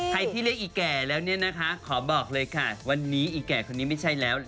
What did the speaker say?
ใครที่เรียกอีแก่แล้วเนี่ยนะคะขอบอกเลยค่ะวันนี้อีแก่คนนี้ไม่ใช่แล้ว